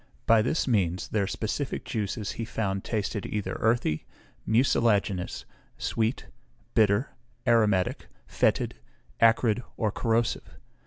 By this means their specific juices he found tasted either earthy, mucilaginous, sweet, bitter, aromatic, fetid, acrid, or corrosive.